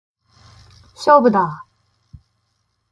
勝負だー！